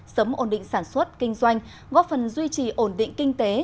sớm ổn định sản xuất kinh doanh góp phần duy trì ổn định kinh tế